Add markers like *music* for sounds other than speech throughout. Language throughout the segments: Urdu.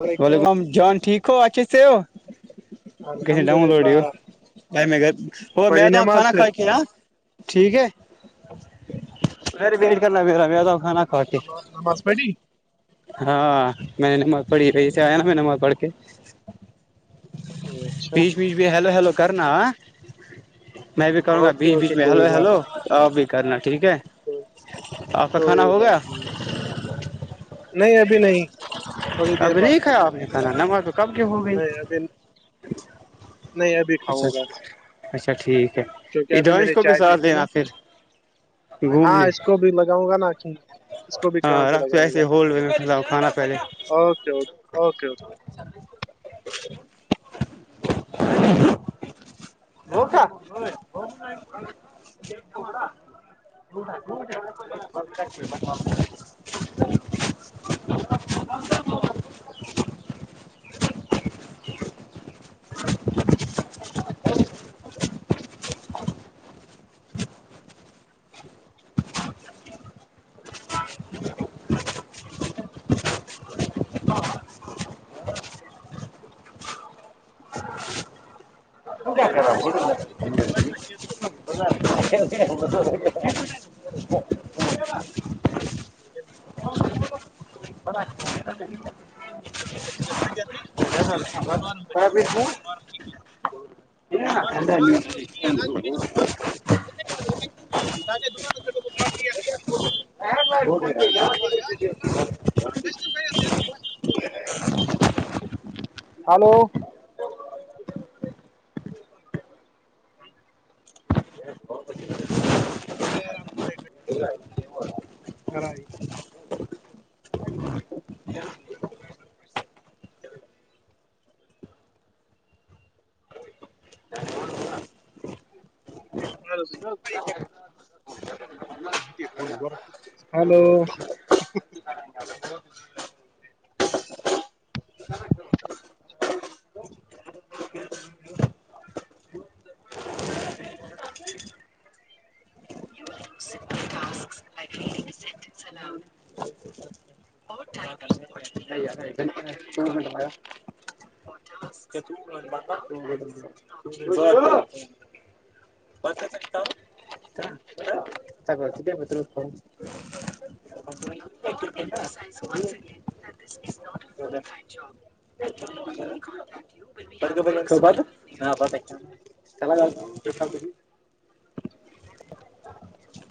الحمد ولیکم جان ٹھیک ہو اچے سے ہو الحمد لوڈ للہ پڑھی میں تو نماز کھانا کھا پھر کے ٹھیک ہے میر ویٹ کرنا پ رہا تو کھانا کھاؤ کے نما- نماز پڑھی ہاں *unintelligible* پڑی رہی ہے نا میں ن وہ پڑھ کے *unintelligible* اچھا پیش پش بھی ہلو ہیلو کرنا میں بھی کروں گا اوکے بیچ بیچ اوکے میں ہلو کوئی بات ہلو نہیں اور بھی کرناٹک *unintelligible* ٹھیک ہے کوئی آپ کا کھانا کوئی ہو گیا بات نہیں نہیں ابھی نہیں تھوڑی دیر اب بعد نہیں کھیا کھاتا ہوں آپ نے کھانا ناں *unintelligible* نہیں ابھی نہیں ابھی *unintelligible* اچھاچ اچھا ٹھیک ہے کیونکہ یہ ابھی میں دانش نے کو بھی چائے پی ساتھ تھی نا دینا پھر گھومنے *unintelligible* ناھی *unintelligible* ہاں رکھ ایسے ہول و کھانا پہلے *unintelligible* اوکے اوکے اوکے اوکے ہو کا *unintelligible* ب *unintelligible* ہاں *unintelligible* *unintelligible* *inaudible* کیا کر رہا *unintelligible* *unintelligible* *inaudible* بڑا اچھا *unintelligible* *unintelligible* س ج آنی *unintelligible* فم فارم *unintelligible* کر س *unintelligible* ے دان *unintelligible* *unintelligible* سم ب *unintelligible* ہلو ہ ج *inaudible* ہر *unintelligible* ہلو *unintelligible* تا کیا پرتا *unintelligible* بہ *unintelligible* س بات ہاں ب چلا ج *unintelligible* دھا ت *unintelligible* نوڑ *unintelligible*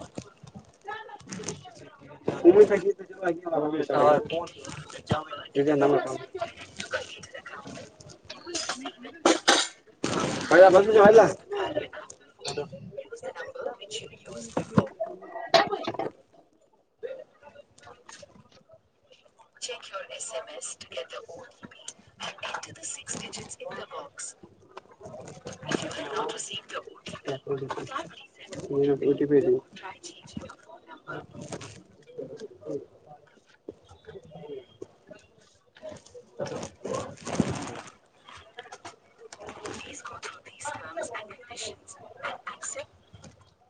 میش گمیش نم *unintelligible* *inaudible* پ جا بول پچ ہئیا *unintelligible* ہاں *inaudible* ا *inaudible* *inaudible* ج *unintelligible* تو *unintelligible* *inaudible*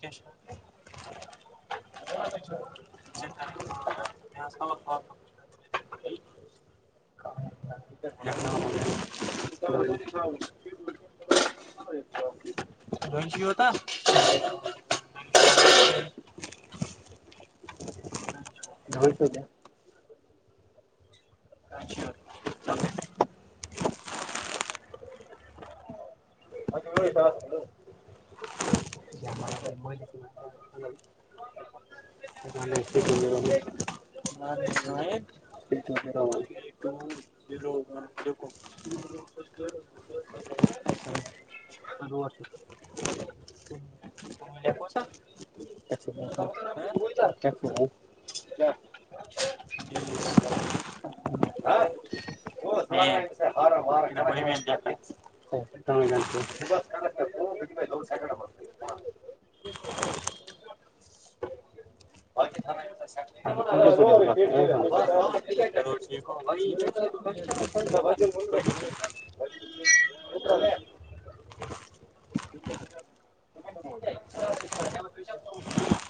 کیش *unintelligible* اچا ج *unintelligible* سل *unintelligible* جنا ہو *unintelligible* *inaudible* دنچ ہو تھا *unintelligible* ہو س کیا *unintelligible* شور س *unintelligible* مےلو *unintelligible* *unintelligible* *unintelligible* ج *unintelligible* *unintelligible* *unintelligible* اچھا *unintelligible*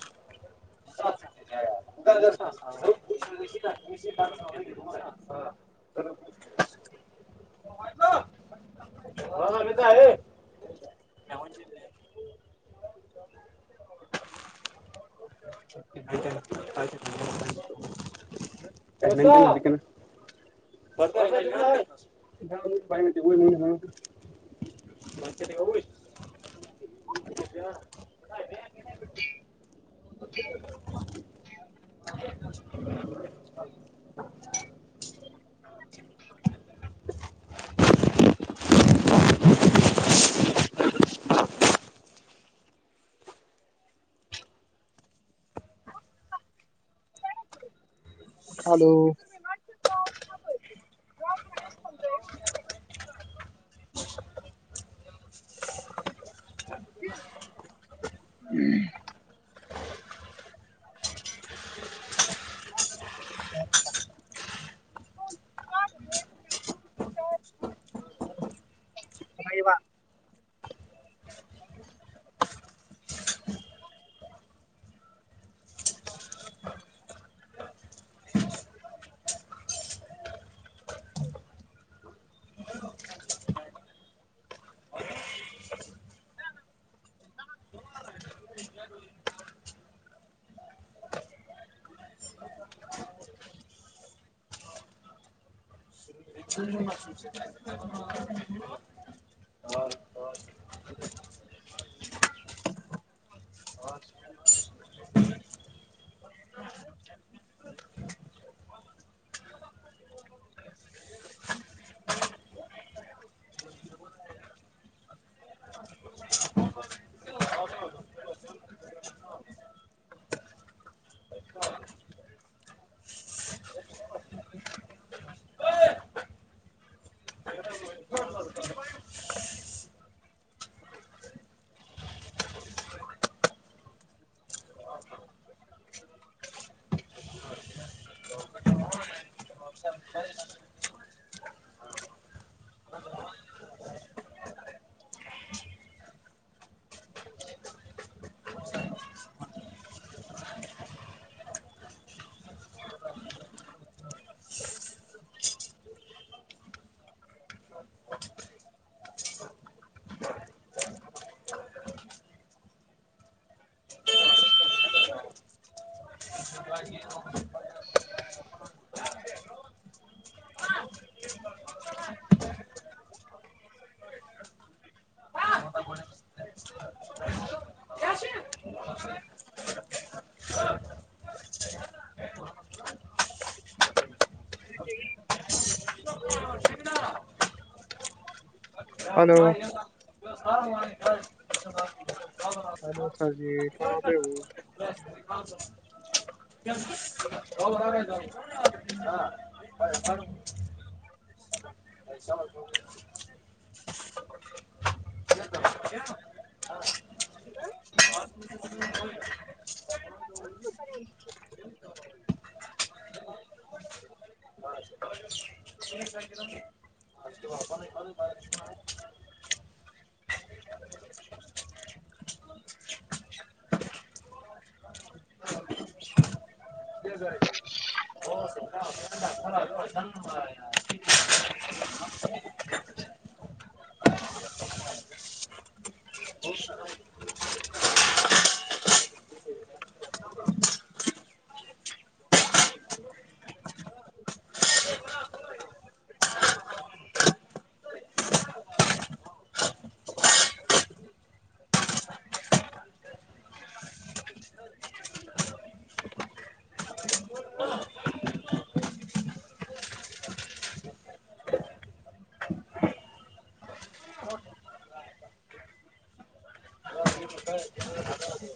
چنا *unintelligible* ہلو ہوں *unintelligible* نہیں و *unintelligible* ج *unintelligible* چ *unintelligible* *inaudible* می *unintelligible* بھائی سار والے *unintelligible* بس صب *unintelligible* ہلو ساں جی کہاں پہ ہو اں *unintelligible* ا *inaudible* ج *unintelligible* *unintelligible* ہوں *inaudible*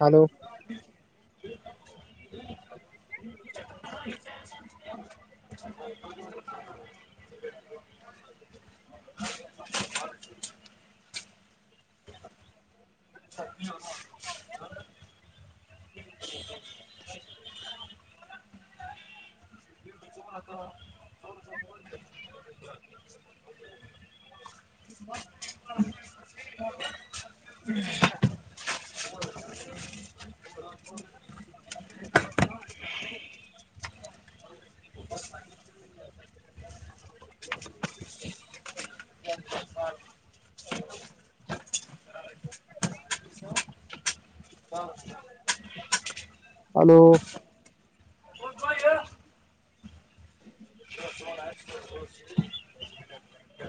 ہلو *unintelligible* اور تو *unintelligible* ہ *unintelligible* ہ *inaudible* ہلو *unintelligible* *inaudible* *inaudible*